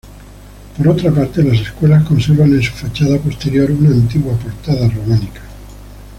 Por otra parte, las Escuelas conservan en su fachada posterior una antigua portada románica.